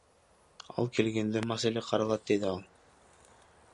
Ал келгенде маселе каралат, — деди ал.